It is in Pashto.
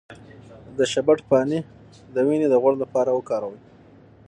د شبت پاڼې د وینې د غوړ لپاره وکاروئ